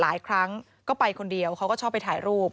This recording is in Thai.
หลายครั้งก็ไปคนเดียวเขาก็ชอบไปถ่ายรูป